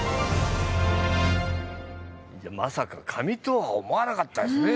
まさか紙とは思わなかったですね。